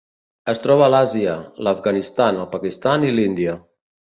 Es troba a Àsia: l'Afganistan, el Pakistan i l'Índia.